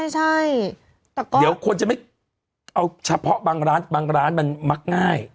ใช่เดี๋ยวคนจะไม่ชะเพาะบางร้านบางร้านมักง่าย